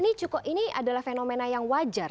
ini cukup ini adalah fenomena yang wajar